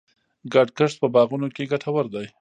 ګډ کښت په باغونو کې ګټور دی.